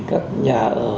các nhà ở